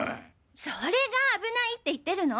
それが危ないって言ってるの！